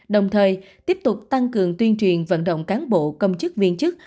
đồng thời tiếp tục tăng cường tuyên truyền vận động cán bộ công chức viên chức